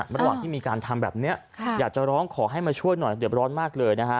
ระหว่างที่มีการทำแบบนี้อยากจะร้องขอให้มาช่วยหน่อยเดือบร้อนมากเลยนะฮะ